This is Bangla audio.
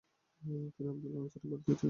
তিনি আবদুল্লাহ আনসারির বাড়িতে তিনি বড় হন।